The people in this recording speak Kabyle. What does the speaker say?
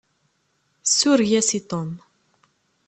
Sureg-as i Tom!